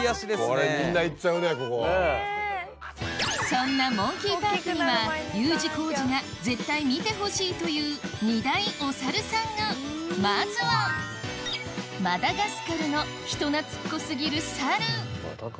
そんなモンキーパークにはＵ字工事が絶対見てほしいという２大おサルさんがまずはマダガスカルの人懐っこ過ぎるサル